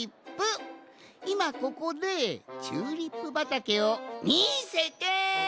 いまここでチューリップばたけをみせて！